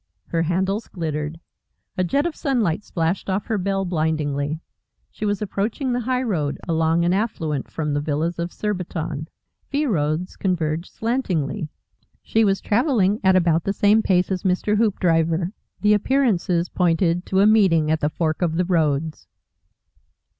Her handles glittered; a jet of sunlight splashed off her bell blindingly. She was approaching the high road along an affluent from the villas of Surbiton. fee roads converged slantingly. She was travelling at about the same pace as Mr. Hoopdriver. The appearances pointed to a meeting at the fork of the roads.